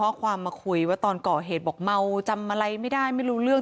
ข้อความมาคุยว่าตอนก่อเหตุบอกเมาจำอะไรไม่ได้ไม่รู้เรื่อง